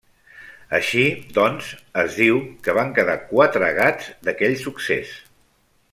Així, doncs, es diu, que van quedar quatre gats d'aquell succés.